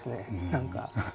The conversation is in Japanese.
何か。